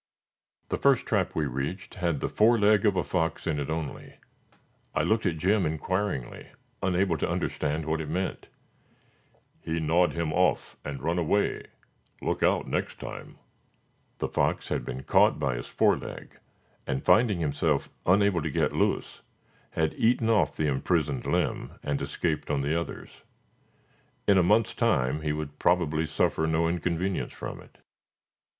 The first trap we reached had the fore leg of a fox in it only. I looked at Jim inquiringly, unable to understand what it meant. "He gnawed him off, and run away; look out next time." The fox had been caught by his fore leg, and, finding himself unable to get loose, had eaten off the imprisoned limb and escaped on the others. In a month's time he would probably suffer no inconvenience from it.